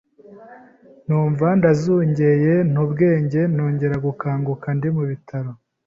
numva ndazungeye nta ubwenge nongera gukanguka ndi mu bitaro.